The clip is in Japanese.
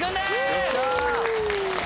よっしゃー！